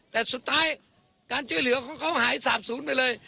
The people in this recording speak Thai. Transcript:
แต่สุดท้ายการจ่วยเหลือเขาหายสาบสูญไปเลย